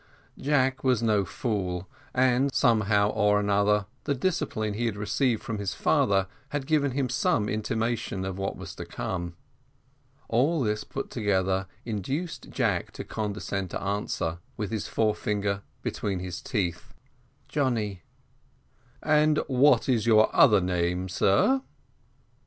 Jack was no fool, and somehow or another, the discipline he had received from his father had given him some intimation of what was to come. All this put together induced Jack to condescend to answer, with his forefinger between his teeth, "Johnny." "And what is your other name, sir?"